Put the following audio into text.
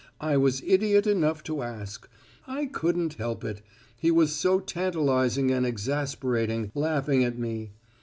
I was idiot enough to ask; I couldn't help it; he was so tantalizing and exasperating laughing at me.